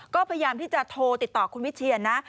ก็พยายามที่จะโทรติดต่อคุณวิเชียนนะ